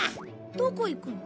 どこ行くの？